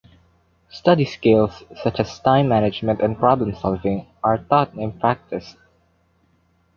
Study skills, such as time management and problem solving, are taught and practiced.